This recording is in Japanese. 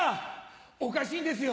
おかしいんですよ